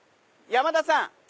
山田さん？